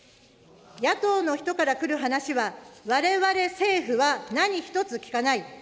野党の人から来る話は、われわれ政府は何一つ聞かない。